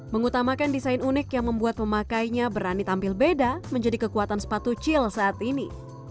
mengutamakan desain unik yang membuat pemakainya berani tampil beda menjadi kekuatan sepatu cil saat ini